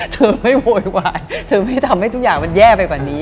เธอไม่โวยวายเธอไม่ทำให้ทุกอย่างมันแย่ไปกว่านี้